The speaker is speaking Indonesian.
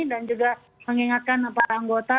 dan juga mengingatkan para anggota